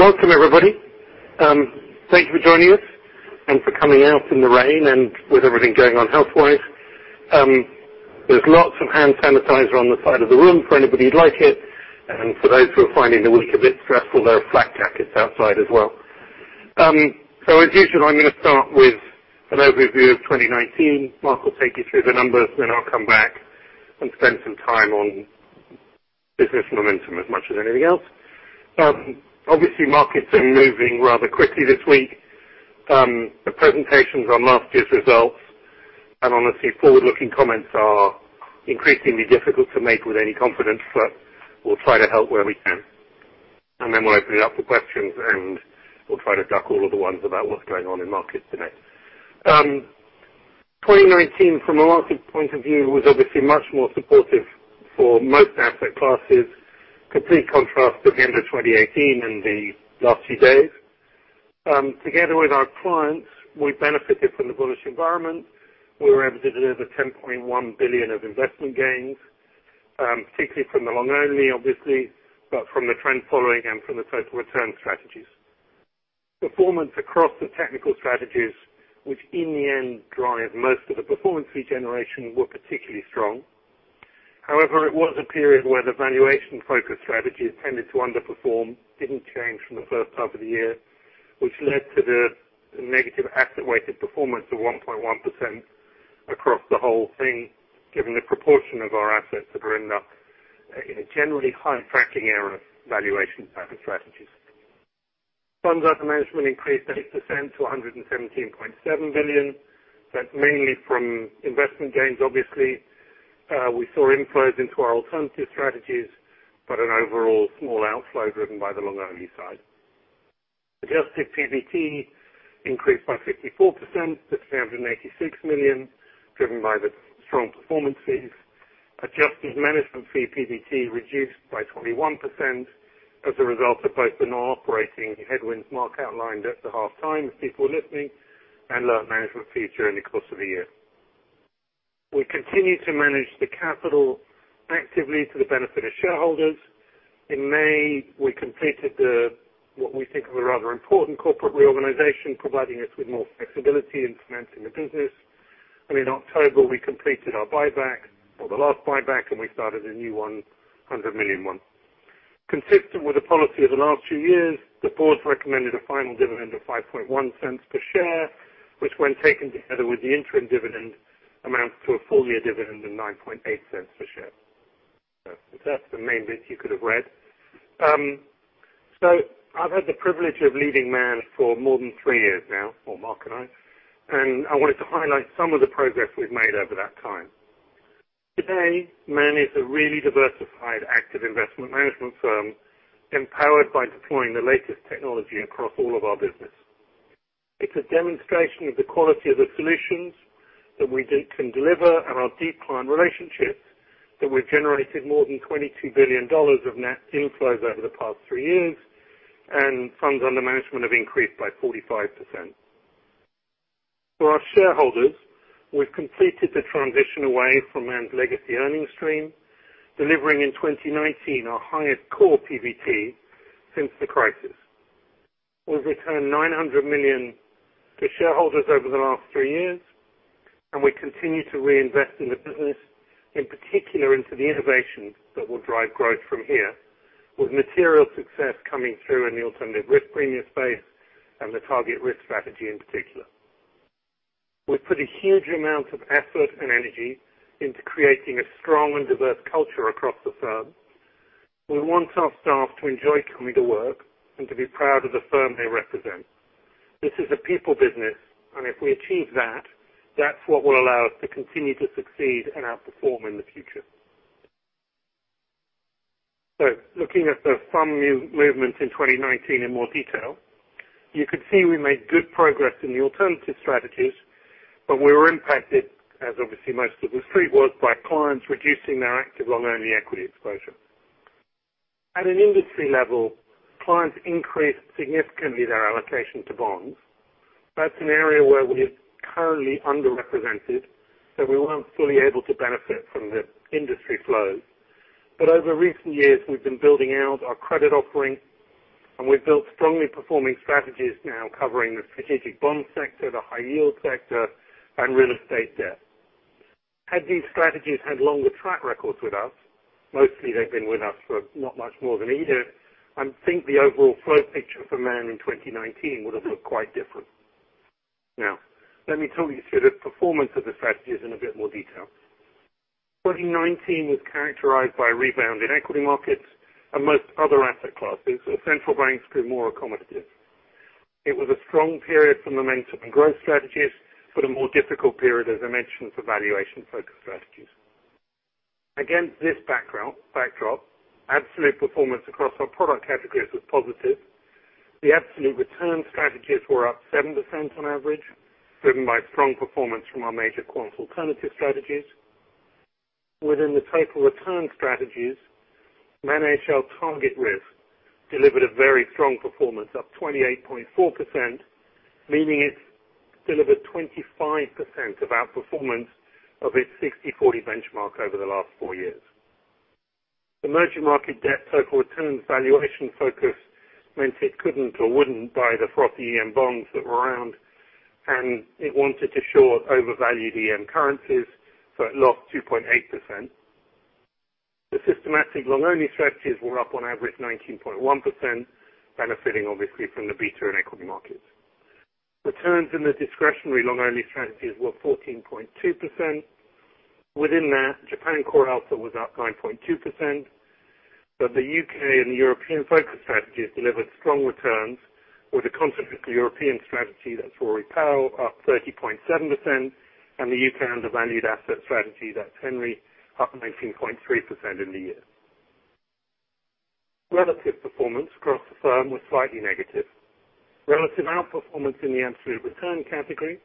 Welcome everybody. Thank you for joining us, for coming out in the rain, and with everything going on health-wise. There's lots of hand sanitizer on the side of the room for anybody who'd like it. For those who are finding the week a bit stressful, there are flak jackets outside as well. As usual, I'm going to start with an overview of 2019. Mark will take you through the numbers, I'll come back and spend some time on business momentum as much as anything else. Obviously, markets are moving rather quickly this week. The presentations on last year's results and, honestly, forward-looking comments are increasingly difficult to make with any confidence. We'll try to help where we can. We'll open it up for questions, and we'll try to duck all of the ones about what's going on in markets today. 2019, from a market point of view, was obviously much more supportive for most asset classes. Complete contrast at the end of 2018 and the last few days. Together with our clients, we benefited from the bullish environment. We were able to deliver $10.1 billion of investment gains, particularly from the long-only, obviously, but from the trend following and from the total return strategies. Performance across the technical strategies, which in the end drive most of the performance fee generation, were particularly strong. It was a period where the valuation-focused strategies tended to underperform. Didn't change from the first half of the year, which led to the negative asset-weighted performance of 1.1% across the whole thing, given the proportion of our assets that are in a generally high tracking error valuation type of strategies. Funds under management increased 8% to $117.7 billion. That's mainly from investment gains, obviously. We saw inflows into our alternative strategies, but an overall small outflow driven by the long-only side. Adjusted PBT increased by 54% to 386 million, driven by the strong performances. Adjusted management fee PBT reduced by 21% as a result of both the non-operating headwinds Mark outlined at the half time for people listening and lower management fee during the course of the year. We continue to manage the capital actively to the benefit of shareholders. In May, we completed the, what we think, was a rather important corporate reorganization, providing us with more flexibility in managing the business. In October, we completed our buyback or the last buyback, and we started a new 100 million one. Consistent with the policy of the last two years, the board's recommended a final dividend of $0.051 per share, which, when taken together with the interim dividend, amounts to a full year dividend of $0.098 per share. That's the main bits you could have read. I've had the privilege of leading Man for more than three years now, or Mark and I wanted to highlight some of the progress we've made over that time. Today, Man is a really diversified active investment management firm, empowered by deploying the latest technology across all of our business. It's a demonstration of the quality of the solutions that we can deliver and our deep client relationships that we've generated more than $22 billion of net inflows over the past three years, funds under management have increased by 45%. For our shareholders, we've completed the transition away from Man's legacy earnings stream, delivering in 2019 our highest core PBT since the crisis. We've returned 900 million to shareholders over the last three years. We continue to reinvest in the business, in particular into the innovations that will drive growth from here, with material success coming through in the alternative risk premia space and the TargetRisk strategy in particular. We've put a huge amount of effort and energy into creating a strong and diverse culture across the firm. We want our staff to enjoy coming to work and to be proud of the firm they represent. This is a people business, and if we achieve that's what will allow us to continue to succeed and outperform in the future. Looking at the fund new movements in 2019 in more detail. You could see we made good progress in the alternative strategies, but we were impacted, as obviously most of the Street was, by clients reducing their active long-only equity exposure. At an industry level, clients increased significantly their allocation to bonds. That's an area where we are currently underrepresented, so we weren't fully able to benefit from the industry flows. Over recent years, we've been building out our credit offering, and we've built strongly performing strategies now covering the strategic bond sector, the high yield sector, and real estate debt. Had these strategies had longer track records with us, mostly they've been with us for not much more than a year, I think the overall flow picture for Man in 2019 would have looked quite different. Now, let me talk you through the performance of the strategies in a bit more detail. 2019 was characterized by a rebound in equity markets and most other asset classes as central banks grew more accommodative. It was a strong period for momentum and growth strategies, a more difficult period, as I mentioned, for valuation-focused strategies. Against this backdrop, absolute performance across our product categories was positive. The absolute return strategies were up 7% on average, driven by strong performance from our major quant alternative strategies. Within the total return strategies, Man AHL TargetRisk delivered a very strong performance, up 28.4%, meaning it delivered 25% of outperformance of its 60/40 benchmark over the last four years. Emerging market debt total return valuation focus meant it couldn't or wouldn't buy the frothy EM bonds that were around, and it wanted to short overvalued EM currencies, so it lost 2.8%. The systematic long-only strategies were up on average 19.1%, benefiting obviously from the beta in equity markets. Returns in the discretionary long-only strategies were 14.2%. Within that, Japan CoreAlpha was up 9.2%. The U.K. and European focused strategies delivered strong returns, with the concentrated European strategy, that's Rory Powe, up 30.7% and the U.K. undervalued asset strategy, that's Henry, up 19.3% in the year. Relative performance across the firm was slightly negative. Relative outperformance in the absolute return category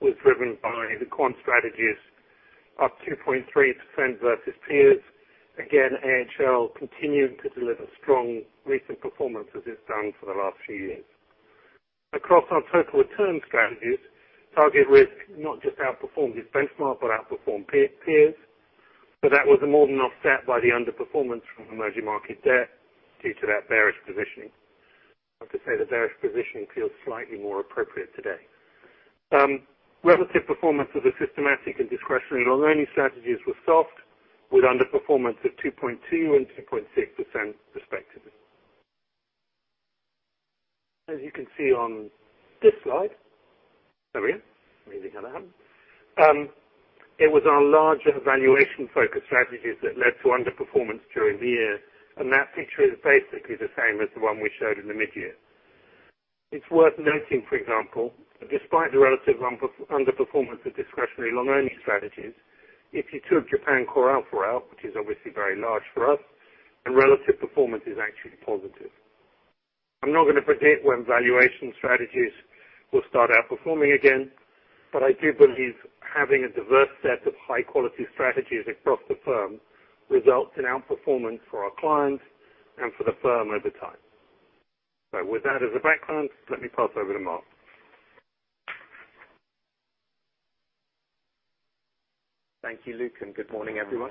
was driven by the quant strategies, up 2.3% versus peers. Again, AHL continuing to deliver strong recent performance as it's done for the last few years. Across our total return strategies, TargetRisk not just outperformed its benchmark, outperformed peers. That was more than offset by the underperformance from emerging market debt due to that bearish positioning. Not to say the bearish positioning feels slightly more appropriate today. Relative performance of the systematic and discretionary long-only strategies was soft with underperformance of 2.2% and 2.6% respectively. As you can see on this slide. There we go. Maybe it'll happen. It was our larger valuation-focused strategies that led to underperformance during the year, and that picture is basically the same as the one we showed in the mid-year. It's worth noting, for example, that despite the relative underperformance of discretionary long-only strategies, if you took Japan CoreAlpha out, which is obviously very large for us, then relative performance is actually positive. I do believe having a diverse set of high-quality strategies across the firm results in outperformance for our clients and for the firm over time. With that as a background, let me pass over to Mark. Thank you, Luke. Good morning, everyone.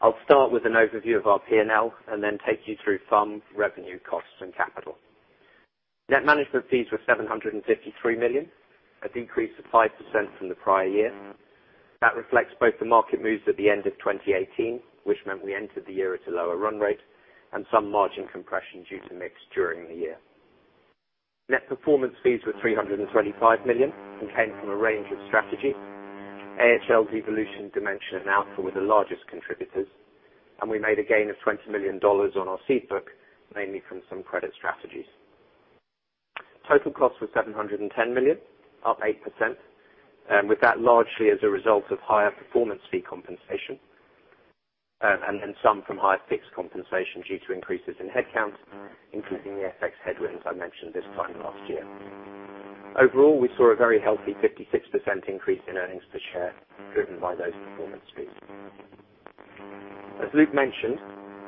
I'll start with an overview of our P&L. I'll take you through FUM, revenue, costs, and capital. Net management fees were $753 million, a decrease of 5% from the prior year. That reflects both the market moves at the end of 2018, which meant we entered the year at a lower run rate and some margin compression due to mix during the year. Net performance fees were $325 million. They came from a range of strategies. AHL Evolution, Dimension, and Alpha were the largest contributors. We made a gain of $20 million on our seed book, mainly from some credit strategies. Total cost was $710 million, up 8%, with that largely as a result of higher performance fee compensation, and then some from higher fixed compensation due to increases in headcount, including the FX headwinds I mentioned this time last year. Overall, we saw a very healthy 56% increase in earnings per share, driven by those performance fees. As Luke mentioned,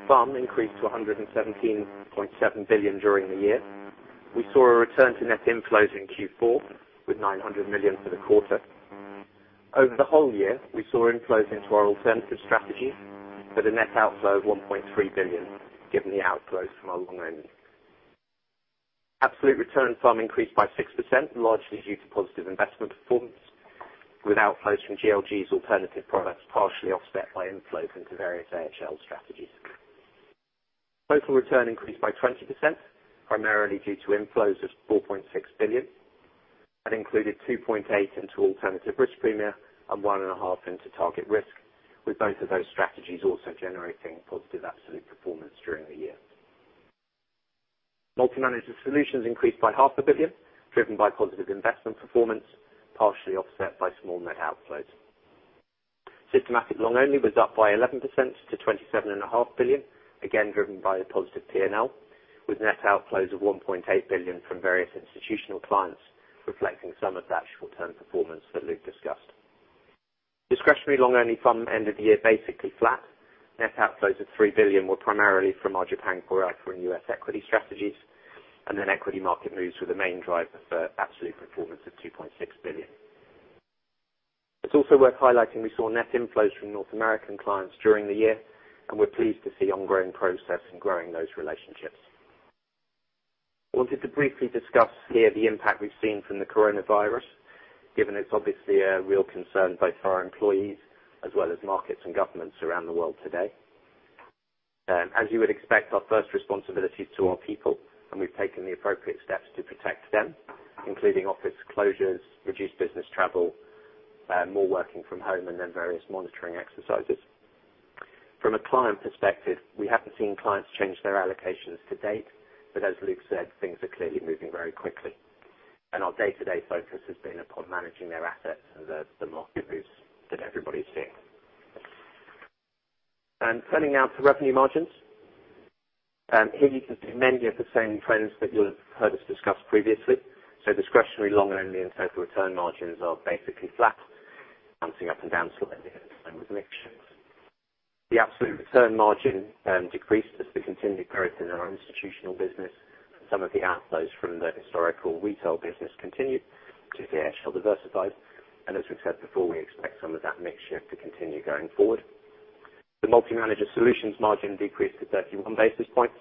FUM increased to 117.7 billion during the year. We saw a return to net inflows in Q4 with 900 million for the quarter. Over the whole year, we saw inflows into our alternative strategies with a net outflow of 1.3 billion, given the outflows from our long-only. Absolute return FUM increased by 6%, largely due to positive investment performance with outflows from GLG's alternative products partially offset by inflows into various AHL strategies. Total return increased by 20%, primarily due to inflows of 4.6 billion. That included 2.8 billion into alternative risk premia and 1.5 billion into TargetRisk, with both of those strategies also generating positive absolute performance during the year. Multi-manager solutions increased by half a billion GBP, driven by positive investment performance, partially offset by small net outflows. Systematic long only was up by 11% to $27.5 billion, again, driven by the positive P&L, with net outflows of $1.8 billion from various institutional clients reflecting some of that short-term performance that Luke discussed. Discretionary long-only FUM end of the year basically flat. Net outflows of $3 billion were primarily from our Japan CoreAlpha and U.S. equity strategies. Equity market moves were the main driver for absolute performance of $2.6 billion. It's also worth highlighting we saw net inflows from North American clients during the year. We're pleased to see ongoing progress in growing those relationships. I wanted to briefly discuss here the impact we've seen from the coronavirus, given it's obviously a real concern both for our employees as well as markets and governments around the world today. As you would expect, our first responsibility is to our people, and we've taken the appropriate steps to protect them, including office closures, reduced business travel, more working from home, and then various monitoring exercises. From a client perspective, we haven't seen clients change their allocations to date, but as Luke said, things are clearly moving very quickly and our day-to-day focus has been upon managing their assets and the market moves that everybody is seeing. Turning now to revenue margins. Here you can see many of the same trends that you'll have heard us discuss previously. Discretionary long only and total return margins are basically flat, bouncing up and down slightly with mix. The absolute return margin decreased as we continued growth in our institutional business. Some of the outflows from the historical retail business continued to be AHL Diversified. As we've said before, we expect some of that mix shift to continue going forward. The multi-manager solutions margin decreased to 31 basis points.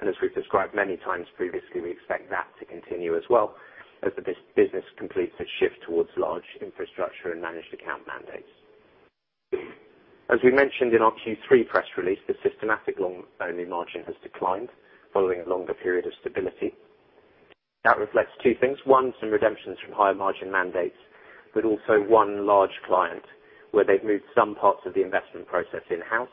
As we've described many times previously, we expect that to continue as well as this business completes its shift towards large infrastructure and managed account mandates. As we mentioned in our Q3 press release, the systematic long-only margin has declined following a longer period of stability. That reflects two things. One, some redemptions from higher margin mandates. Also, one large client, where they've moved some parts of the investment process in-house,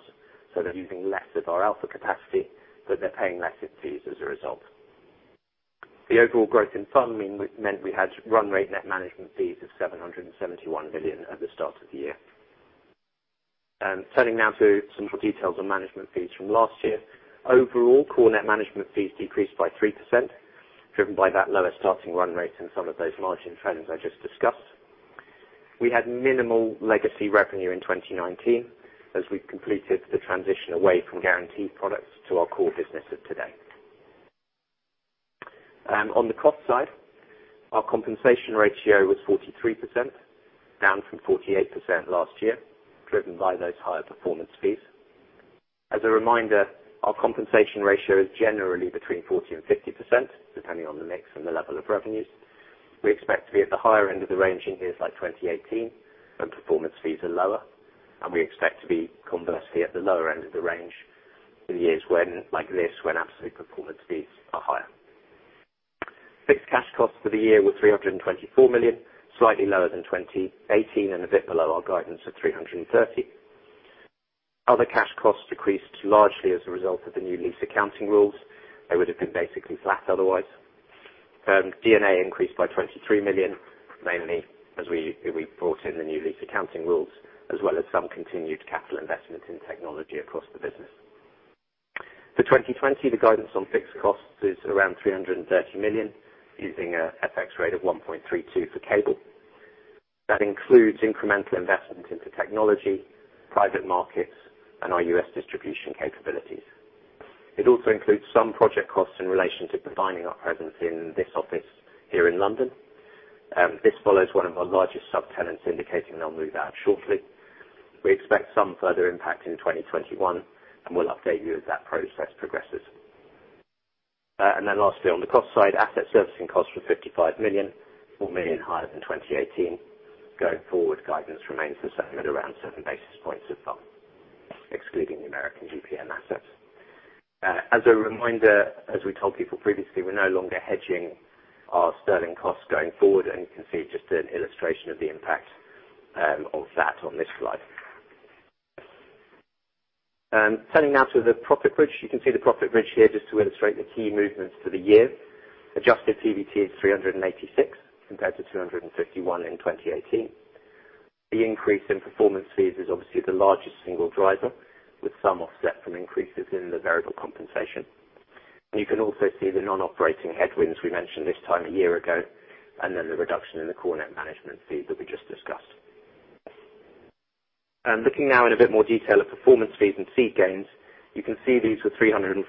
so they're using less of our alpha capacity, but they're paying less in fees as a result. The overall growth in FUM meant we had run rate net management fees of 771 billion at the start of the year. Turning now to some more details on management fees from last year. Overall, core net management fees decreased by 3%, driven by that lower starting run rate in some of those margin trends I just discussed. We had minimal legacy revenue in 2019, as we completed the transition away from guaranteed products to our core business of today. On the cost side, our compensation ratio was 43%, down from 48% last year, driven by those higher performance fees. As a reminder, our compensation ratio is generally between 40% and 50%, depending on the mix and the level of revenues. We expect to be at the higher end of the range in years like 2018, when performance fees are lower, and we expect to be conversely at the lower end of the range in years like this, when absolute performance fees are higher. Fixed cash costs for the year were 324 million, slightly lower than 2018 and a bit below our guidance of 330. Other cash costs decreased largely as a result of the new lease accounting rules. They would have been basically flat otherwise. D&A increased by 23 million, mainly as we brought in the new lease accounting rules, as well as some continued capital investment in technology across the business. For 2020, the guidance on fixed costs is around 330 million, using an FX rate of 1.32 for cable. That includes incremental investment into technology, private markets, and our U.S. distribution capabilities. It also includes some project costs in relation to defining our presence in this office here in London. This follows one of our largest subtenants indicating they'll move out shortly. We expect some further impact in 2021, and we'll update you as that process progresses. Lastly, on the cost side, asset servicing costs were 55 million, 4 million higher than 2018. Going forward, guidance remains the same at around seven basis points of FUM, excluding the Man GPM assets. As a reminder, as we told people previously, we're no longer hedging our GBP costs going forward, and you can see just an illustration of the impact of that on this slide. Turning now to the profit bridge. You can see the profit bridge here just to illustrate the key movements for the year. Adjusted PBT is 386 compared to 251 in 2018. The increase in performance fees is obviously the largest single driver, with some offset from increases in the variable compensation. You can also see the non-operating headwinds we mentioned this time a year ago, and then the reduction in the core net management fee that we just discussed. Looking now in a bit more detail at performance fees and fee gains. You can see these were 345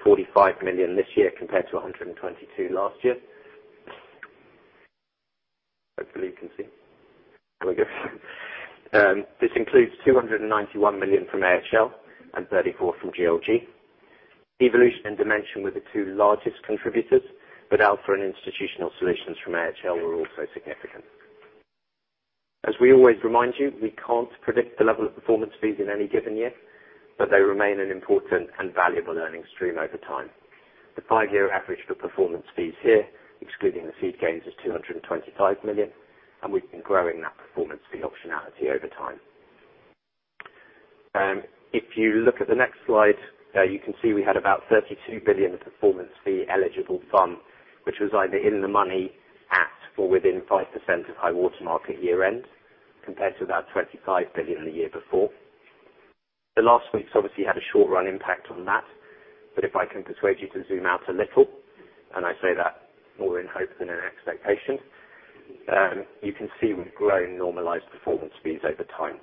million this year compared to 122 million last year. Hopefully, you can see. There we go. This includes 291 million from AHL and 34 million from GLG. Evolution and Dimension were the two largest contributors, but Alpha and Institutional Solutions from AHL were also significant. As we always remind you, we can't predict the level of performance fees in any given year, but they remain an important and valuable earnings stream over time. The five-year average for performance fees here, excluding the fee gains, is 225 million. We've been growing that performance fee optionality over time. If you look at the next slide, you can see we had about 32 billion of performance fee eligible FUM, which was either in the money at or within 5% of high water mark at year-end, compared to about 25 billion the year before. The last week's obviously had a short-run impact on that. If I can persuade you to zoom out a little, and I say that more in hope than an expectation, you can see we've grown normalized performance fees over time,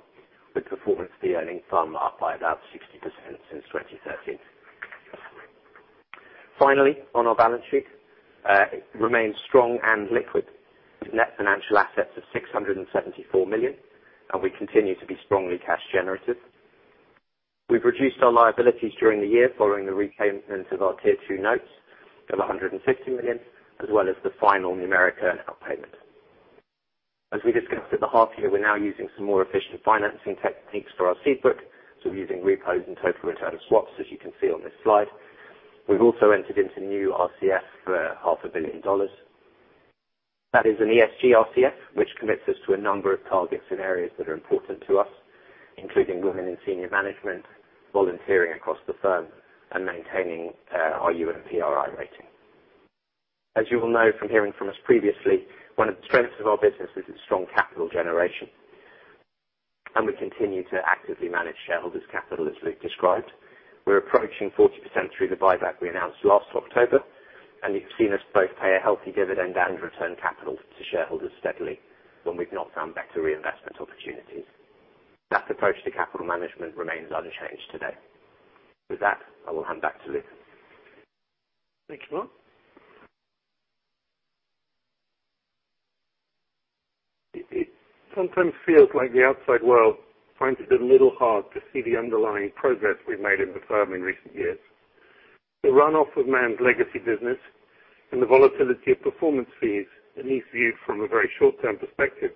with performance fee earning FUM up by about 60% since 2013. Finally, on our balance sheet. It remains strong and liquid with net financial assets of $674 million. We continue to be strongly cash generative. We've reduced our liabilities during the year following the repayment of our tier 2 notes of $150 million, as well as the final Numeric outpayment. As we discussed at the half year, we're now using some more efficient financing techniques for our seed book. We're using repos and total return swaps, as you can see on this slide. We've also entered into new RCF for half a billion dollars. That is an ESG RCF, which commits us to a number of targets in areas that are important to us, including women in senior management, volunteering across the firm, and maintaining our UN PRI rating. As you will know from hearing from us previously, one of the strengths of our business is its strong capital generation, and we continue to actively manage shareholders' capital, as Luke described. We're approaching 40% through the buyback we announced last October. You've seen us both pay a healthy dividend and return capital to shareholders steadily when we've not found better reinvestment opportunities. That approach to capital management remains unchanged today. With that, I will hand back to Luke. Thank you, Mark. It sometimes feels like the outside world finds it a little hard to see the underlying progress we've made in the firm in recent years. The runoff of Man's legacy business and the volatility of performance fees that needs viewed from a very short-term perspective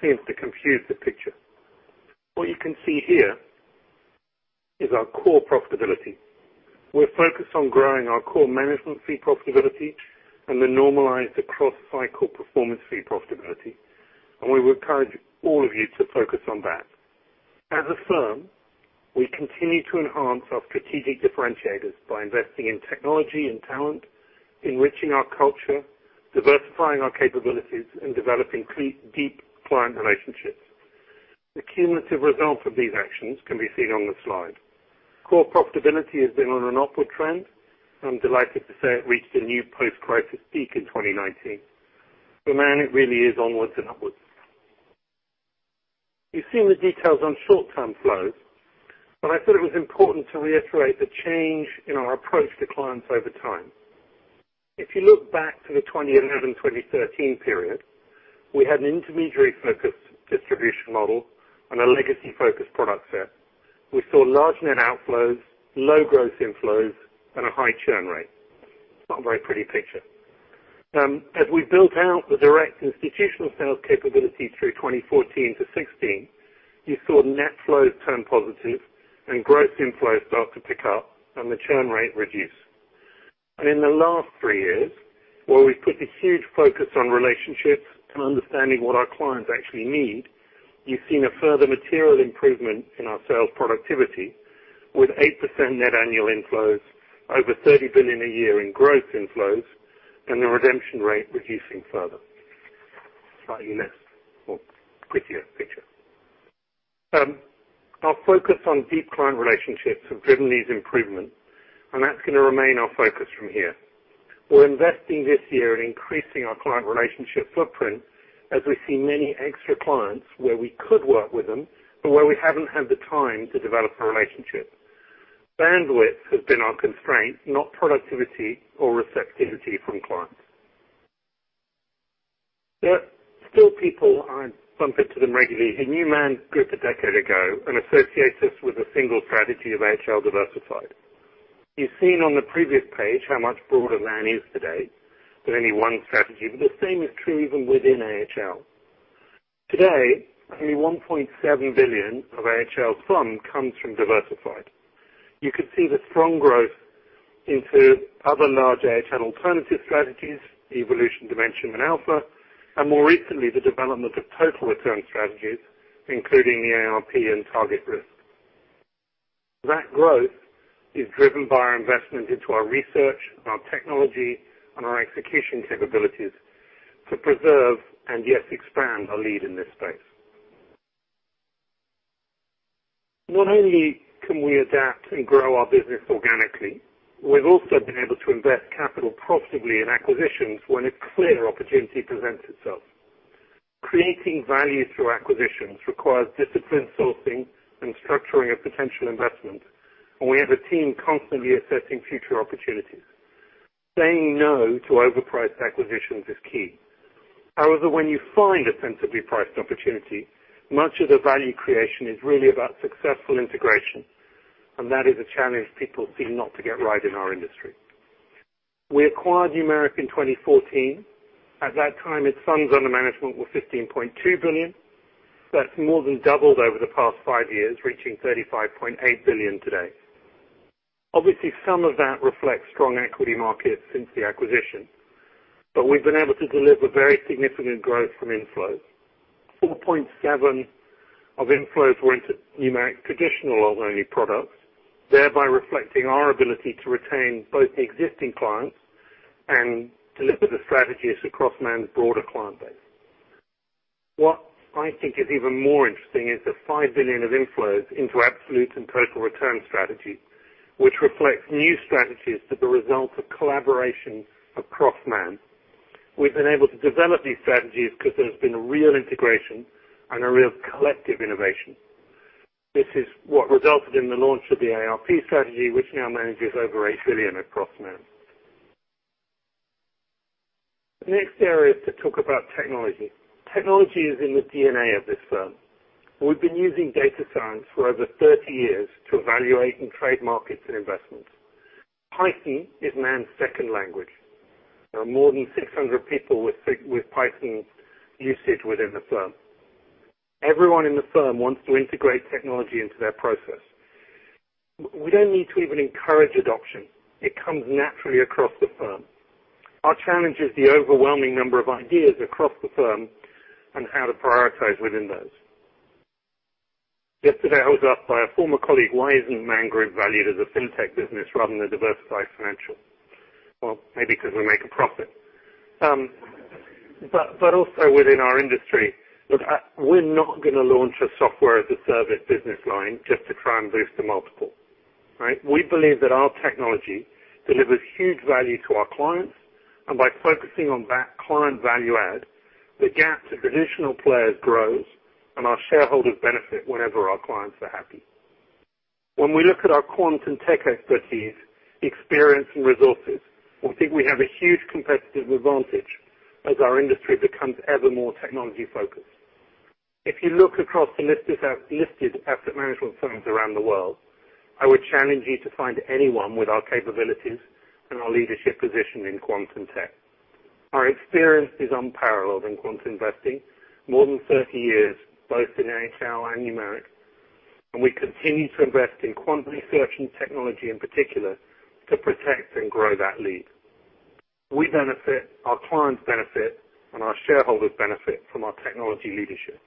seems to confuse the picture. What you can see here is our core profitability. We're focused on growing our core management fee profitability and the normalized across cycle performance fee profitability, and we would encourage all of you to focus on that. As a firm, we continue to enhance our strategic differentiators by investing in technology and talent, enriching our culture, diversifying our capabilities, and developing deep client relationships. The cumulative result of these actions can be seen on the slide. Core profitability has been on an upward trend. I'm delighted to say it reached a new post-crisis peak in 2019. For Man, it really is onwards and upwards. You've seen the details on short-term flows, but I thought it was important to reiterate the change in our approach to clients over time. If you look back to the 2011, 2013 period, we had an intermediary focus distribution model and a legacy focus product set. We saw large net outflows, low gross inflows, and a high churn rate. It's not a very pretty picture. As we built out the direct institutional sales capability through 2014 to 2016, you saw net flows turn positive and gross inflows start to pick up and the churn rate reduce. In the last three years, where we've put a huge focus on relationships and understanding what our clients actually need, you've seen a further material improvement in our sales productivity with 8% net annual inflows, over $30 billion a year in gross inflows, and the redemption rate reducing further. Slightly less or prettier picture. Our focus on deep client relationships have driven these improvements, and that's going to remain our focus from here. We're investing this year in increasing our client relationship footprint as we see many extra clients where we could work with them, but where we haven't had the time to develop a relationship. Bandwidth has been our constraint, not productivity or receptivity from clients. There are still people, I bump into them regularly, who knew Man Group a decade ago and associates us with a single strategy of AHL Diversified. You've seen on the previous page how much broader Man is today than any one strategy. The same is true even within AHL. Today, only 1.7 billion of AHL's fund comes from Diversified. You could see the strong growth into other large AHL alternative strategies, Evolution, Dimension, and Alpha, and more recently, the development of total return strategies, including the ARP and TargetRisk. That growth is driven by our investment into our research and our technology and our execution capabilities to preserve and yet expand our lead in this space. Not only can we adapt and grow our business organically, we've also been able to invest capital profitably in acquisitions when a clear opportunity presents itself. Creating value through acquisitions requires disciplined sourcing and structuring of potential investment, and we have a team constantly assessing future opportunities. Saying no to overpriced acquisitions is key. However, when you find a sensibly priced opportunity, much of the value creation is really about successful integration, and that is a challenge people seem not to get right in our industry. We acquired Numeric in 2014. At that time, its funds under management were 15.2 billion. That's more than doubled over the past 5 years, reaching 35.8 billion today. Obviously, some of that reflects strong equity markets since the acquisition, but we've been able to deliver very significant growth from inflows. 4.7 billion of inflows were into Numeric traditional loan-only products, thereby reflecting our ability to retain both existing clients and deliver the strategies across Man's broader client base. What I think is even more interesting is the 5 billion of inflows into absolute and total return strategies, which reflects new strategies that the result of collaboration across Man. We've been able to develop these strategies because there's been a real integration and a real collective innovation. This is what resulted in the launch of the ARP strategy, which now manages over 8 billion across Man. The next area is to talk about technology. Technology is in the DNA of this firm. We've been using data science for over 30 years to evaluate and trade markets and investments. Python is Man's second language. There are more than 600 people with Python usage within the firm. Everyone in the firm wants to integrate technology into their process. We don't need to even encourage adoption. It comes naturally across the firm. Our challenge is the overwhelming number of ideas across the firm and how to prioritize within those. Yesterday, I was asked by a former colleague, "Why isn't Man Group valued as a fintech business rather than a diversified financial?" Well, maybe because we make a profit. Also within our industry. Look, we're not going to launch a software as a service business line just to try and boost the multiple, right? We believe that our technology delivers huge value to our clients, and by focusing on that client value add, the gap to traditional players grows and our shareholders benefit whenever our clients are happy. When we look at our quant and tech expertise, experience, and resources, we think we have a huge competitive advantage as our industry becomes ever more technology-focused. If you look across the listed asset management firms around the world, I would challenge you to find anyone with our capabilities and our leadership position in quant and tech. Our experience is unparalleled in quant investing. More than 30 years, both in AHL and Numeric. We continue to invest in quant research and technology in particular to protect and grow that lead. We benefit, our clients benefit, and our shareholders benefit from our technology leadership.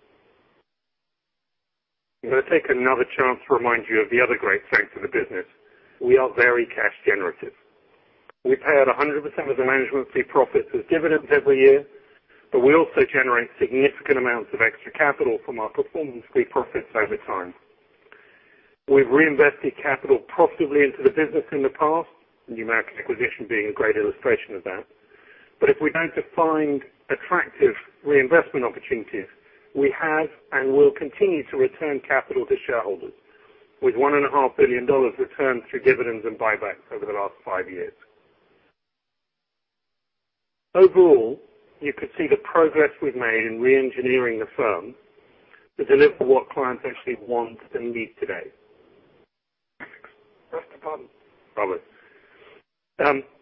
I'm going to take another chance to remind you of the other great strength of the business. We are very cash generative. We pay out 100% of the management fee profits as dividends every year, but we also generate significant amounts of extra capital from our performance fee profits over time. We've reinvested capital profitably into the business in the past, the Numeric acquisition being a great illustration of that. If we're going to find attractive reinvestment opportunities, we have and will continue to return capital to shareholders with GBP 1.5 billion returned through dividends and buybacks over the last five years. Overall, you could see the progress we've made in re-engineering the firm to deliver what clients actually want and need today.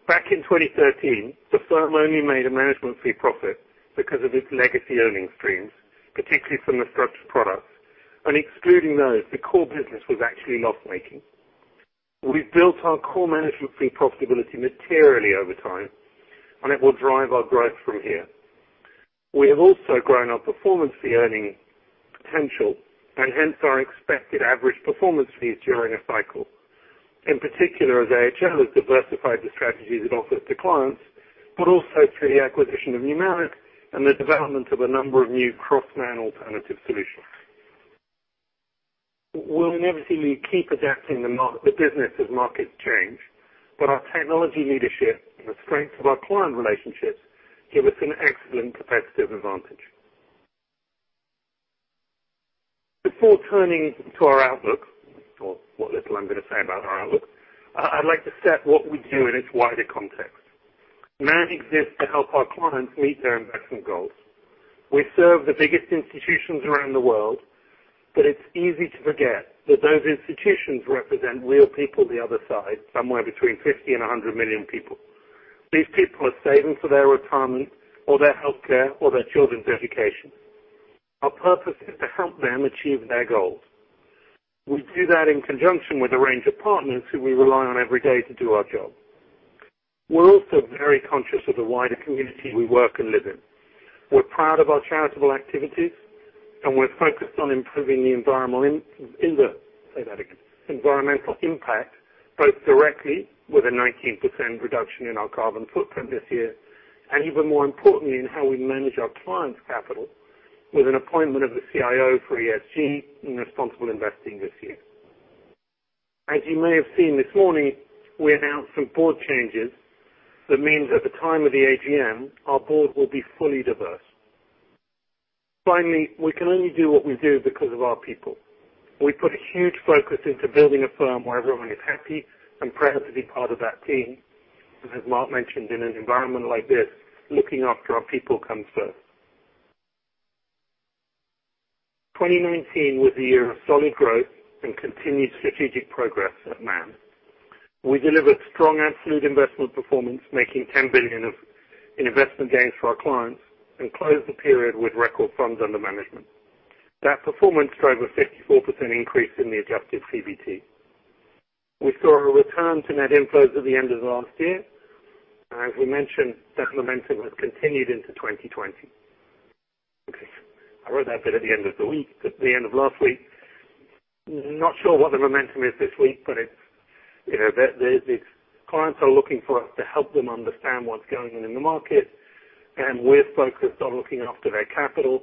Back in 2013, the firm only made a management fee profit because of its legacy earning streams, particularly from the structured products, and excluding those, the core business was actually loss-making. We've built our core management fee profitability materially over time, and it will drive our growth from here. We have also grown our performance fee earning potential and hence our expected average performance fees during a cycle. In particular as AHL has diversified the strategies it offers to clients, but also through the acquisition of Numeric and the development of a number of new cross-Man alternative solutions. We'll inevitably keep adapting the business as markets change, but our technology leadership and the strength of our client relationships give us an excellent competitive advantage. Before turning to our outlook, or what little I'm going to say about our outlook, I'd like to set what we do in its wider context. Man exists to help our clients meet their investment goals. We serve the biggest institutions around the world, but it's easy to forget that those institutions represent real people the other side, somewhere between 50 million and 100 million people. These people are saving for their retirement or their healthcare or their children's education. Our purpose is to help them achieve their goals. We do that in conjunction with a range of partners who we rely on every day to do our job. We're also very conscious of the wider community we work and live in. We're proud of our charitable activities, we're focused on improving the environmental impact, both directly with a 19% reduction in our carbon footprint this year, and even more importantly, in how we manage our clients' capital with an appointment of the CIO for ESG and responsible investing this year. As you may have seen this morning, we announced some board changes that means at the time of the AGM, our board will be fully diverse. Finally, we can only do what we do because of our people. We put a huge focus into building a firm where everyone is happy and proud to be part of that team. As Mark mentioned, in an environment like this, looking after our people comes first. 2019 was a year of solid growth and continued strategic progress at Man. We delivered strong absolute investment performance, making 10 billion in investment gains for our clients and closed the period with record funds under management. That performance drove a 54% increase in the adjusted PBT. We saw a return to net inflows at the end of last year. As we mentioned, that momentum has continued into 2020. Okay, I wrote that bit at the end of the week, at the end of last week. Not sure what the momentum is this week, but the clients are looking for us to help them understand what's going on in the market, and we're focused on looking after their capital.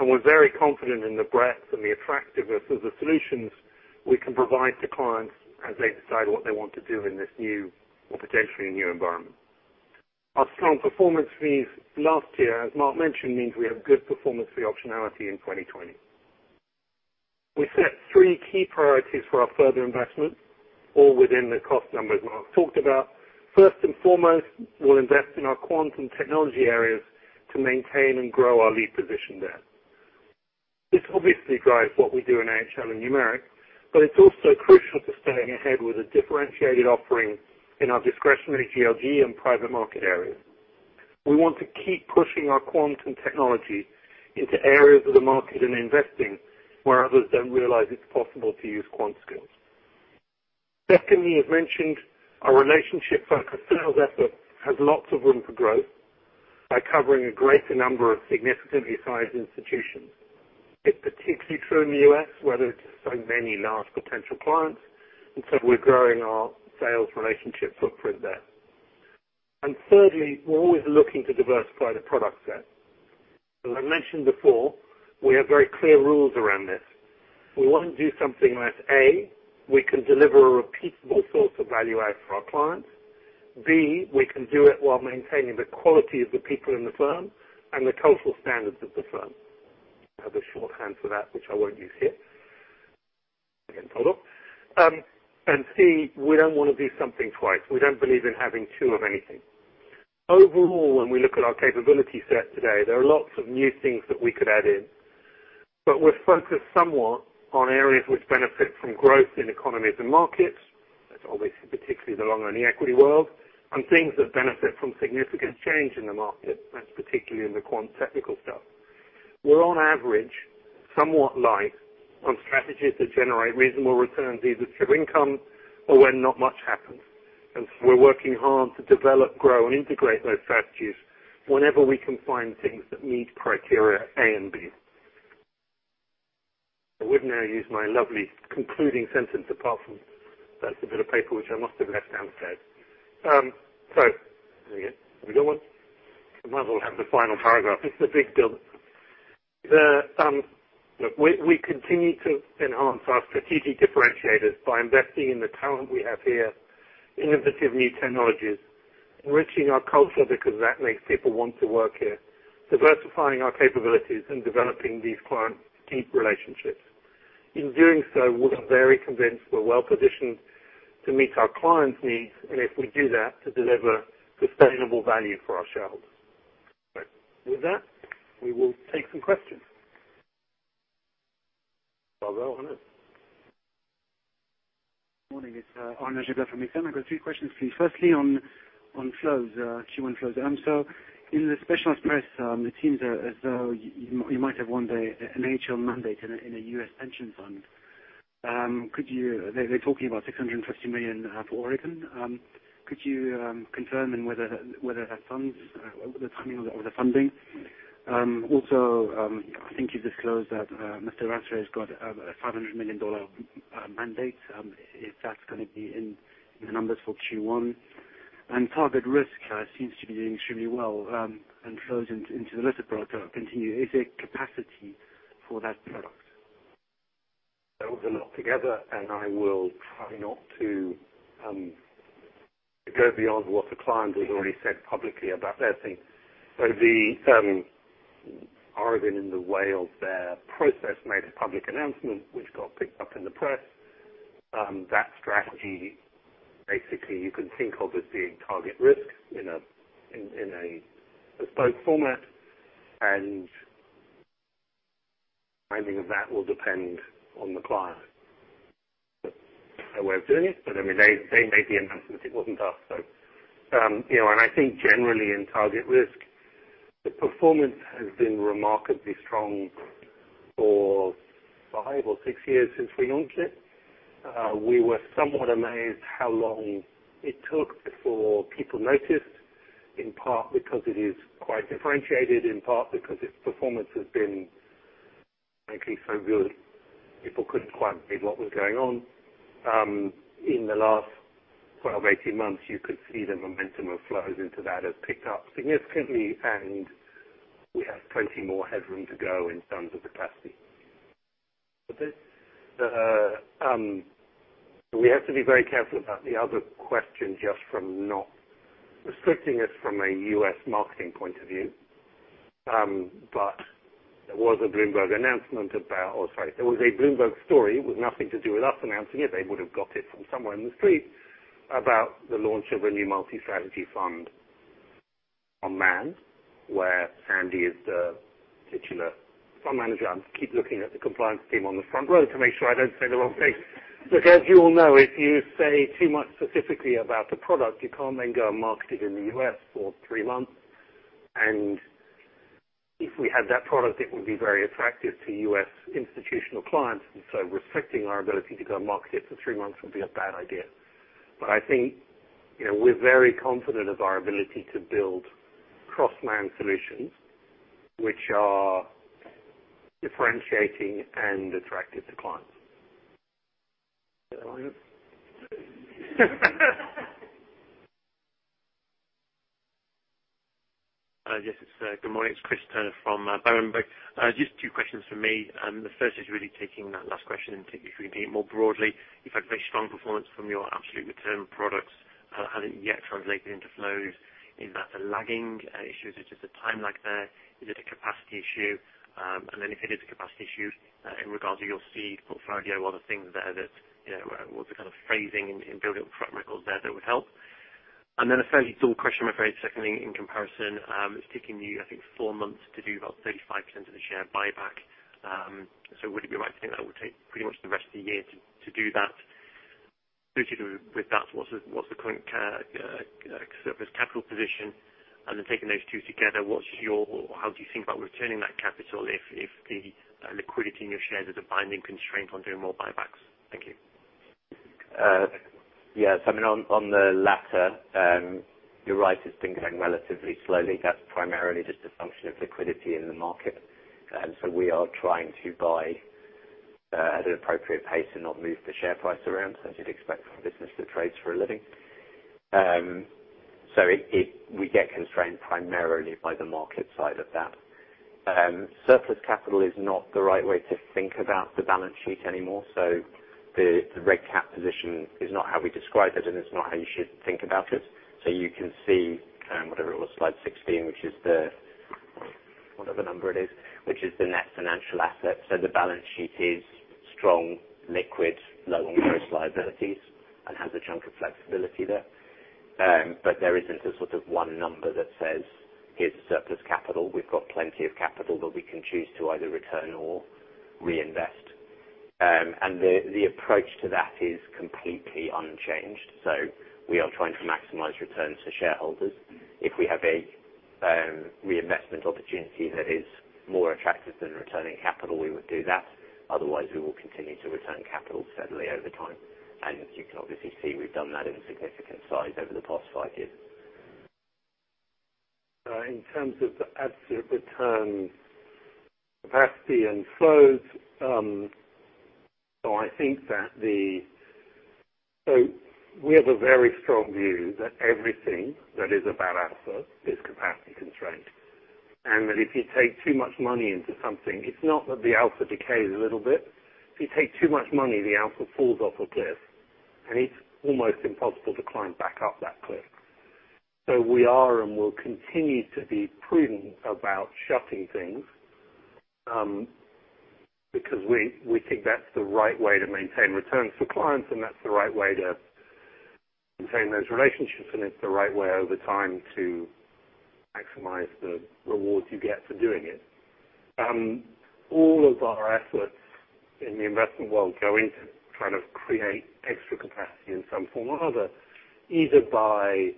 We're very confident in the breadth and the attractiveness of the solutions we can provide to clients as they decide what they want to do in this new or potentially new environment. Our strong performance fees last year, as Mark mentioned, means we have good performance fee optionality in 2020. We set three key priorities for our further investment, all within the cost numbers Mark talked about. First and foremost, we'll invest in our quant and technology areas to maintain and grow our lead position there. This obviously drives what we do in AHL and Numeric, but it's also crucial to staying ahead with a differentiated offering in our discretionary GLG and private market area. We want to keep pushing our quant and technology into areas of the market and investing where others don't realize it's possible to use quant skills. Secondly, as mentioned, our relationship-focused sales effort has lots of room for growth by covering a greater number of significantly sized institutions. It's particularly true in the U.S., where there are just so many large potential clients, and so we're growing our sales relationship footprint there. Thirdly, we're always looking to diversify the product set. As I mentioned before, we have very clear rules around this. We want to do something that, A, we can deliver a repeatable source of value add for our clients. B, we can do it while maintaining the quality of the people in the firm and the cultural standards of the firm. I have a shorthand for that, which I won't use here. Getting told off. C, we don't want to do something twice. We don't believe in having two of anything. Overall, when we look at our capability set today, there are lots of new things that we could add in. We're focused somewhat on areas which benefit from growth in economies and markets. That's obviously particularly the long-only equity world, and things that benefit from significant change in the market, that's particularly in the quant technical stuff. We're on average, somewhat light on strategies that generate reasonable returns either through income or when not much happens. We're working hard to develop, grow, and integrate those strategies whenever we can find things that meet criteria A and B. I would now use my lovely concluding sentence, apart from that's a bit of paper, which I must have left downstairs. There we go. Have we got one? I might as well have the final paragraph. It's the big build. We continue to enhance our strategic differentiators by investing in the talent we have here, innovative new technologies, enriching our culture because that makes people want to work here, diversifying our capabilities, and developing these client deep relationships. In doing so, we're very convinced we're well-positioned to meet our clients' needs, and if we do that, to deliver sustainable value for our shareholders. With that, we will take some questions. Bravo on it. Morning. It's Arnaud Giblat from Exane. I've got three questions for you. Firstly, on flows, Q1 flows. In the specialist press, it seems as though you might have won the AHL mandate in a U.S. pension fund. They're talking about $650 million for Oregon. Could you confirm whether that funds or the timing of the funding? I think you disclosed that Mr. Rancher has got a $500 million mandate. If that's going to be in the numbers for Q1? TargetRisk seems to be doing extremely well, and flows into the listed product are continuing. Is there capacity for that product? That was a lot together, and I will try not to go beyond what the client has already said publicly about their thing. Oregon, in the way of their process, made a public announcement which got picked up in the press. That strategy, basically, you can think of as being TargetRisk in a bespoke format, and timing of that will depend on the client. Their way of doing it, but they made the announcement. It wasn't us. I think generally in TargetRisk, the performance has been remarkably strong for five or six years since we launched it. We were somewhat amazed how long it took before people noticed, in part because it is quite differentiated, in part because its performance has been frankly so good. People couldn't quite believe what was going on. In the last 12, 18 months, you could see the momentum of flows into that has picked up significantly, and we have plenty more headroom to go in terms of capacity. We have to be very careful about the other question, just from not restricting us from a U.S. marketing point of view. There was a Bloomberg announcement about Oh, sorry. There was a Bloomberg story with nothing to do with us announcing it. They would have got it from somewhere in the street about the launch of a new multi-strategy fund on Man, where Andy is the titular fund manager. I keep looking at the compliance team on the front row to make sure I don't say the wrong thing. Look, as you all know, if you say too much specifically about the product, you can't then go and market it in the U.S. for three months. If we had that product, it would be very attractive to U.S. institutional clients, and so restricting our ability to go and market it for three months would be a bad idea. I think we're very confident of our ability to build cross-Man solutions which are differentiating and attractive to clients. Yes. Good morning. It's Chris Turner from Berenberg. Two questions from me. The first is really taking that last question and taking it more broadly. You've had very strong performance from your absolute return products. Has it yet translated into flows? Is that a lagging issue? Is it just a time lag there? Is it a capacity issue? If it is a capacity issue, in regards to your seed portfolio, are there things there? What's the kind of phrasing in building track records there that would help? A fairly dull question, I'm afraid, secondly, in comparison. It's taking you, I think, four months to do about 35% of the share buyback. Would it be right to think that would take pretty much the rest of the year to do that? Associated with that, what's the current surplus capital position? Then taking those two together, how do you think about returning that capital if the liquidity in your shares is a binding constraint on doing more buybacks? Thank you. Yeah. On the latter, you're right, it's been going relatively slowly. That's primarily just a function of liquidity in the market. We are trying to buy at an appropriate pace and not move the share price around, as you'd expect from a business that trades for a living. We get constrained primarily by the market side of that. Surplus capital is not the right way to think about the balance sheet anymore. The reg cap position is not how we describe it, and it's not how you should think about it. You can see, whatever it was, slide 16, whatever number it is, which is the net financial asset. The balance sheet is strong, liquid, low on gross liabilities, and has a chunk of flexibility there. There isn't a one number that says, "Here's surplus capital." We've got plenty of capital that we can choose to either return or reinvest. The approach to that is completely unchanged. We are trying to maximize returns to shareholders. If we have a reinvestment opportunity that is more attractive than returning capital, we would do that. Otherwise, we will continue to return capital steadily over time. You can obviously see we've done that in significant size over the past five years. In terms of the absolute return capacity and flows, we have a very strong view that everything that is about alpha is capacity constrained. That if you take too much money into something, it's not that the alpha decays a little bit. If you take too much money, the alpha falls off a cliff, and it's almost impossible to climb back up that cliff. We are and will continue to be prudent about shutting things, because we think that's the right way to maintain returns for clients, and that's the right way to maintain those relationships, and it's the right way over time to maximize the rewards you get for doing it. All of our efforts in the investment world go into trying to create extra capacity in some form or other, either by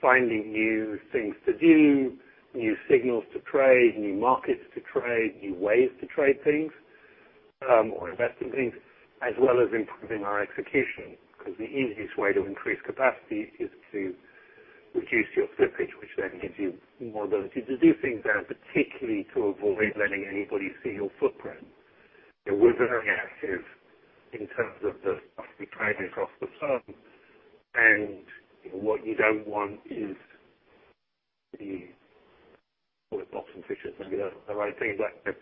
finding new things to do, new signals to trade, new markets to trade, new ways to trade things, or invest in things, as well as improving our execution. Because the easiest way to increase capacity is to reduce your slippage, which then gives you more ability to do things and particularly to avoid letting anybody see your footprint. We've been very active in terms of the stuff we trade across the firm. What you don't want is call it bottom fishers. Maybe that's not the right thing, but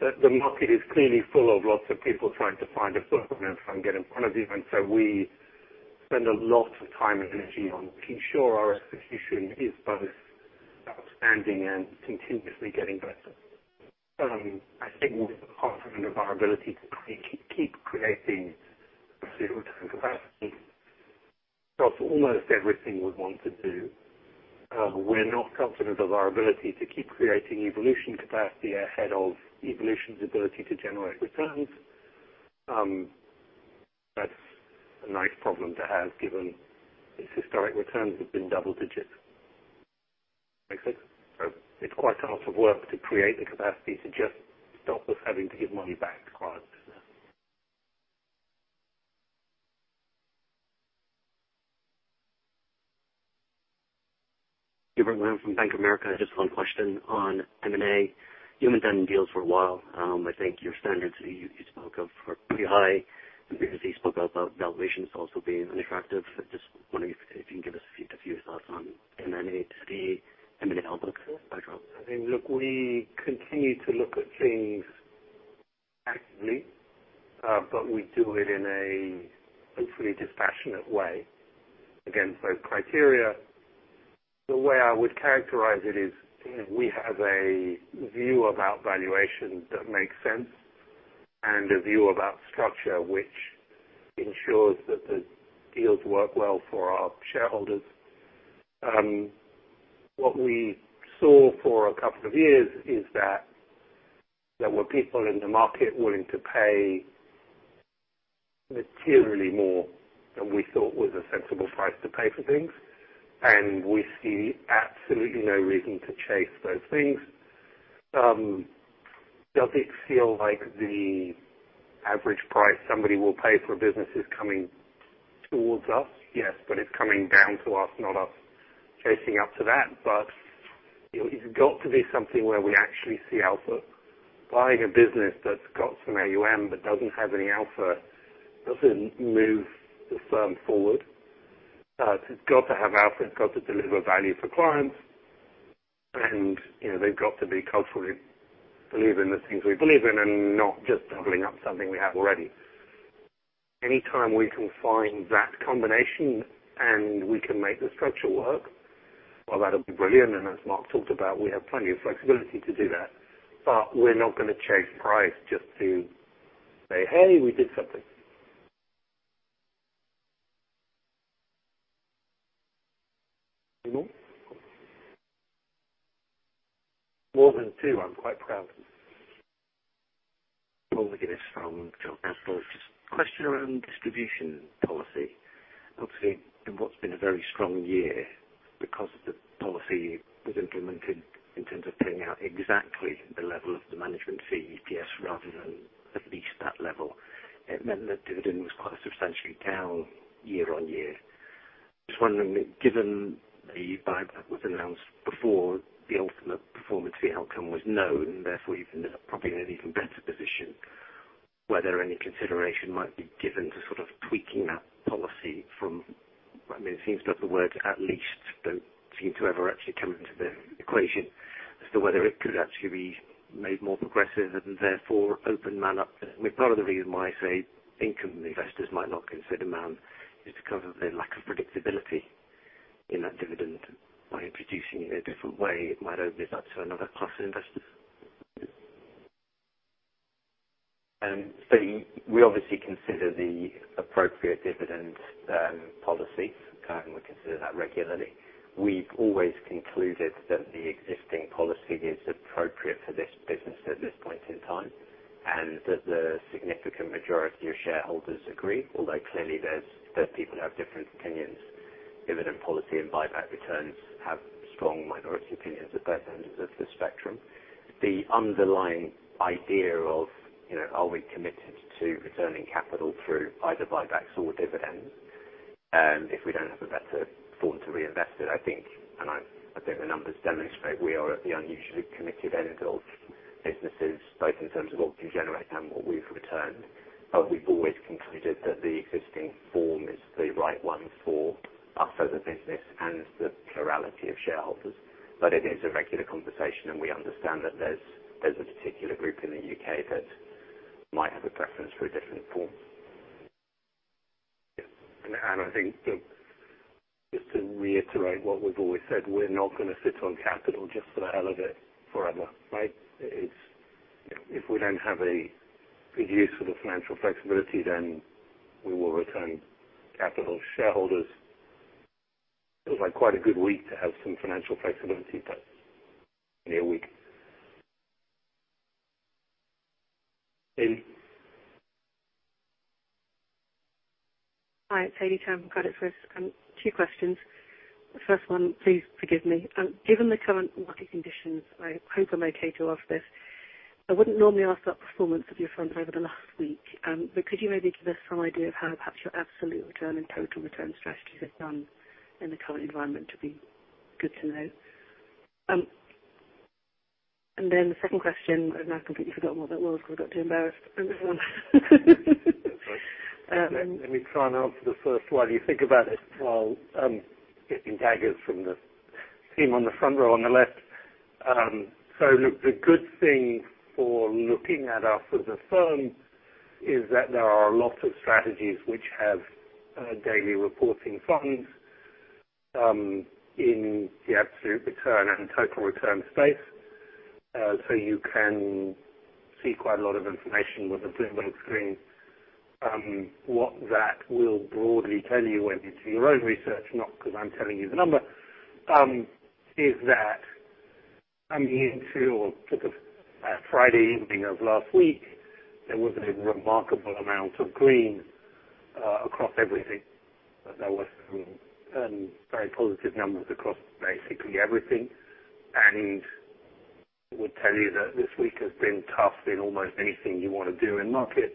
the market is clearly full of lots of people trying to find a footprint and get in front of you. We spend a lot of time and energy on making sure our execution is both outstanding and continuously getting better. I think we're confident of our ability to keep creating pursuit return capacity across almost everything we want to do. We're not confident of our ability to keep creating Evolution capacity ahead of Evolution's ability to generate returns. That's a nice problem to have, given its historic returns have been double digits. Make sense? It's quite hard for work to create the capacity to just stop us having to give money back to clients. from Bank of America. Just one question on M&A. You haven't done deals for a while. I think your standards, you spoke of, are pretty high, and previously spoke about valuations also being unattractive. Just wondering if you can give us a few thoughts on M&A to the M&A outlook by drop. Look, we continue to look at things actively, but we do it in a hopefully dispassionate way. Again, set criteria. The way I would characterize it is we have a view about valuation that makes sense, and a view about structure which ensures that the deals work well for our shareholders. What we saw for a couple of years is that there were people in the market willing to pay materially more than we thought was a sensible price to pay for things, and we see absolutely no reason to chase those things. Does it feel like the average price somebody will pay for a business is coming towards us? Yes, but it's coming down to us, not us chasing up to that. It's got to be something where we actually see alpha. Buying a business that's got some AUM but doesn't have any alpha doesn't move the firm forward. It's got to have alpha, it's got to deliver value for clients, and they've got to be culturally believe in the things we believe in and not just doubling up something we have already. Any time we can find that combination and we can make the structure work, well, that'd be brilliant. As Mark talked about, we have plenty of flexibility to do that. We're not going to chase price just to say, "Hey, we did something." Any more? More than two, I'm quite proud. Paul McGinnis from Shore Capital. Just a question around distribution policy. Obviously, in what's been a very strong year Because the policy was implemented in terms of paying out exactly the level of the management fee EPS rather than at least that level, it meant that dividend was quite substantially down year-on-year. Just wondering, given the buyback was announced before the ultimate performance fee outcome was known, therefore you're probably in an even better position, whether any consideration might be given to tweaking that policy from it seems that the words at least don't seem to ever actually come into the equation as to whether it could actually be made more progressive and therefore open Man up? Part of the reason why, say, income investors might not consider Man is because of the lack of predictability in that dividend. By introducing it a different way, it might open it up to another class of investors. We obviously consider the appropriate dividend policy. We consider that regularly. We've always concluded that the existing policy is appropriate for this business at this point in time, and that the significant majority of shareholders agree. Clearly there's people who have different opinions. Dividend policy and buyback returns have strong minority opinions at both ends of the spectrum. The underlying idea of are we committed to returning capital through either buybacks or dividends, and if we don't have a better form to reinvest it, I think, and I think the numbers demonstrate, we are at the unusually committed end of businesses, both in terms of what we generate and what we've returned. We've always concluded that the existing form is the right one for us as a business and the plurality of shareholders. It is a regular conversation, and we understand that there's a particular group in the U.K. that might have a preference for a different form. I think that just to reiterate what we've always said, we're not going to sit on capital just for the hell of it forever, right? If we don't have a good use for the financial flexibility, then we will return capital to shareholders. Feels like quite a good week to have some financial flexibility. In a week. Amy. Hi, it's Amy Sheren from Credit Suisse. Two questions. The first one, please forgive me. Given the current market conditions, I hope I'm okay to ask this. I wouldn't normally ask about performance of your fund over the last week. Could you maybe give us some idea of how perhaps your absolute return and total return strategies have done in the current environment? It'd be good to know. The second question, I've now completely forgotten what that was because I got too embarrassed with this one. Let me try and answer the first while you think about it, while getting daggers from the team on the front row on the left. Look, the good thing for looking at us as a firm is that there are a lot of strategies which have daily reporting funds in the absolute return and total return space. You can see quite a lot of information with a blue screen. What that will broadly tell you when you do your own research, not because I'm telling you the number, is that coming into or sort of by Friday evening of last week, there was a remarkable amount of green across everything. There was some very positive numbers across basically everything. Would tell you that this week has been tough in almost anything you want to do in markets.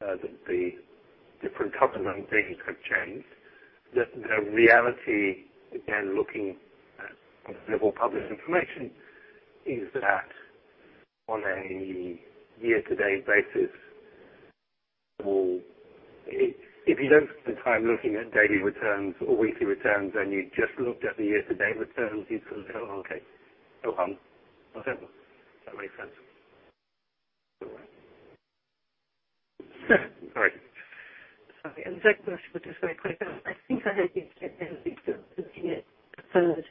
The different top-of-mind things have changed. The reality, again, looking at civil published information, is that on a year-to-date basis, if you don't spend time looking at daily returns or weekly returns and you just looked at the year-to-date returns, you'd sort of go, "Okay, no harm. Whatever." Does that make sense? All right. Sorry. Second question, but just very quick. I think I heard you say there was things that looking at preferred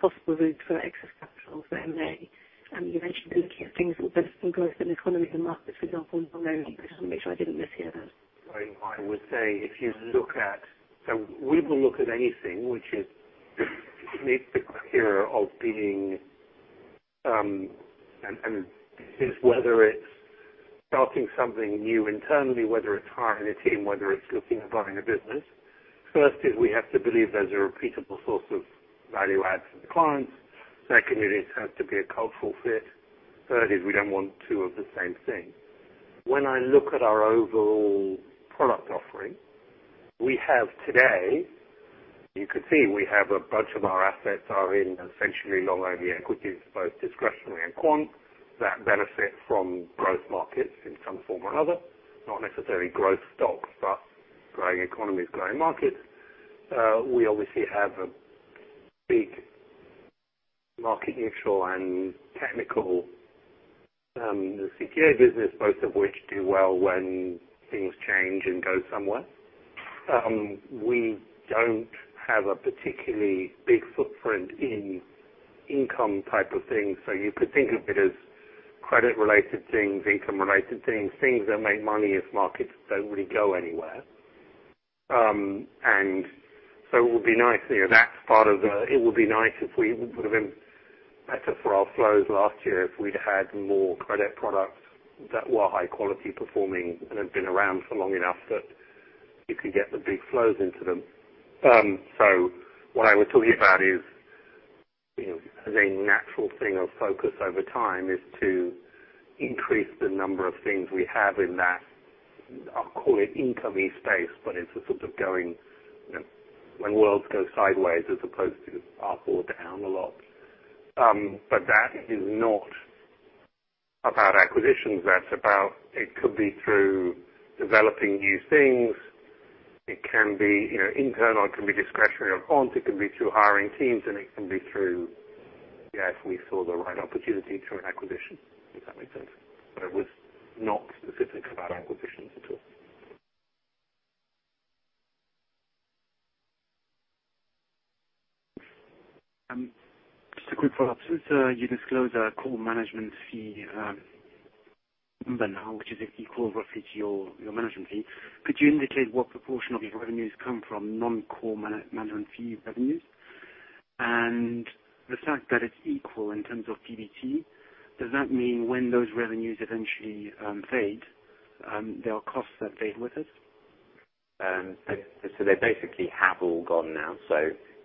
possible route for excess capital for Man, and you mentioned looking at things that benefit growth in economies and markets, for example, emerging markets. I want to make sure I didn't mishear that. I would say if you look at we will look at anything which is clear of being, and whether it's starting something new internally, whether it's hiring a team, whether it's looking at buying a business. Firstly, we have to believe there's a repeatable source of value add for the clients. Secondly, it has to be a cultural fit. Third is we don't want two of the same thing. When I look at our overall product offering, we have today, you could see we have a bunch of our assets are in essentially long-only equities, both discretionary and quant, that benefit from growth markets in some form or another. Not necessarily growth stocks, but growing economies, growing markets. We obviously have a big market, neutral, and technical CTA business, both of which do well when things change and go somewhere. We don't have a particularly big footprint in income type of things. You could think of it as credit-related things, income-related things that make money if markets don't really go anywhere. It would have been better for our flows last year if we'd had more credit products that were high quality performing and had been around for long enough that you could get the big flows into them. What I was talking about is, as a natural thing of focus over time is to increase the number of things we have in that, I'll call it income-y space, but it's a sort of going when worlds go sideways as opposed to up or down a lot. That is not about acquisitions. That's about it could be through developing new things. It can be internal, it can be discretionary of onto, it can be through hiring teams, and it can be through, yeah, if we saw the right opportunity through an acquisition. Does that make sense? It was not specific about acquisitions at all. Just a quick follow-up. Since you disclosed a core management fee number now, which is equal roughly to your management fee, could you indicate what proportion of your revenues come from non-core management fee revenues? The fact that it's equal in terms of PBT, does that mean when those revenues eventually fade, there are costs that fade with it? They basically have all gone now.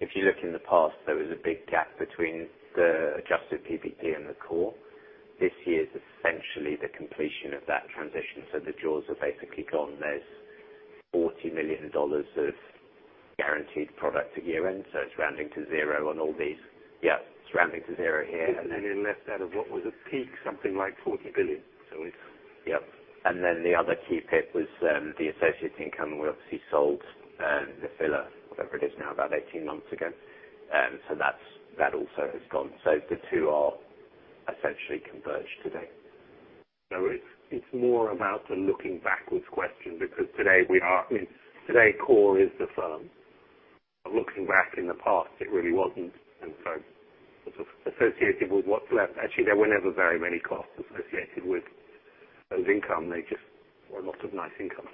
If you look in the past, there was a big gap between the adjusted PBT and the core. This year is essentially the completion of that transition. The jaws are basically gone. There's $40 million of guaranteed product at year-end, so it's rounding to zero on all these. It's rounding to zero here. Isn't any less out of what was a peak, something like 40 billion. Yep. The other key PIP was the associating income we obviously sold Nephila, whatever it is now, about 18 months ago. That also has gone. The two are essentially converged today. It's more about the looking backwards question, because today core is the firm. Looking back in the past, it really wasn't. Sort of associated with what's left. There were never very many costs associated with those income. They just were a lot of nice income.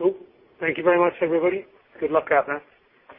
Cool. Thank you very much, everybody. Good luck out there.